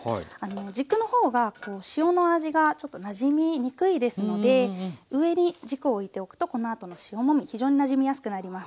軸の方が塩の味がちょっとなじみにくいですので上に軸を置いておくとこのあとの塩もみ非常になじみやすくなります。